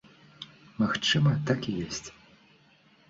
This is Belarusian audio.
Магчыма, так і ёсць.